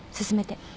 進めて。